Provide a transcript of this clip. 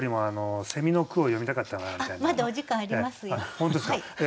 本当ですか。